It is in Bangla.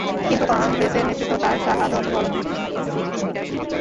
কিন্তু কংগ্রেসের নেতৃত্ব তাঁর শাহাদত বরণের দিন পর্যন্ত তাঁর হাতেই থেকে যায়।